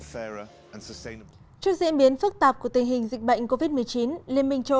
trước diễn biến phức tạp của tình hình dịch bệnh covid một mươi chín